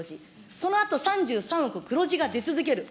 そのあと３３億黒字が出続ける。